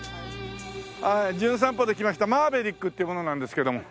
『じゅん散歩』で来ましたマーヴェリックって者なんですけども。